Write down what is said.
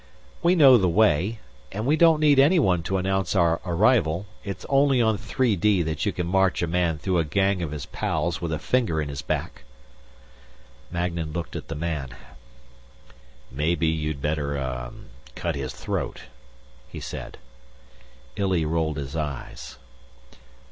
"We know the way. And we don't need anyone to announce our arrival. It's only on three dee that you can march a man through a gang of his pals with a finger in his back." Magnan looked at the man. "Maybe you'd better, uh, cut his throat," he said. Illy rolled his eyes.